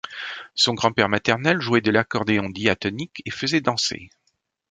Son grand-père maternel jouait de l'accordéon diatonique et faisait danser.